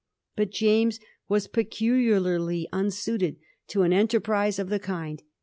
But James was peculiarly unsuited to an enterprise of the kiud.